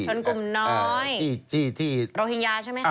ชนกลุ่มน้อยที่โรฮิงญาใช่ไหมคะ